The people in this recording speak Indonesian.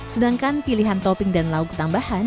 sedangkan pilihan topping dan lauk tambahan